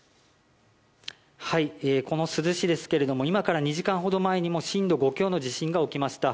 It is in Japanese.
この珠洲市ですけれども今から２時間ほど前にも震度５強の地震が起きました。